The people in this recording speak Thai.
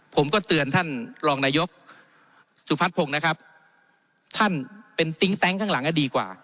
ผมก็เตือนท่านรองนายกสุพัฒนภงนะครับท่านเป็นติ๊งแต๊งข้างหลังก็ดีกว่า